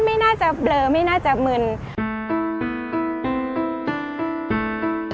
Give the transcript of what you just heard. ไม่น่าจะเบลอไม่น่าจะมึน